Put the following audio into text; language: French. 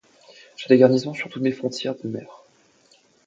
J'ai des garnisons sur toutes mes frontières de mer.